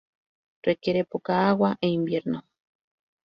Requiere poca agua en invierno.